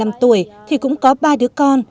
giờ mình hai mươi năm tuổi thì cũng có ba đứa con